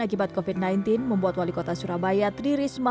akibat covid sembilan belas membuat wali kota surabaya tririsma